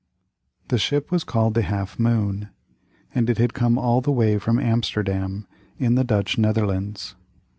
The ship was called the Half Moon, and it had come all the way from Amsterdam, in the Dutch Netherlands.